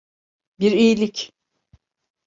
Bir iyilik.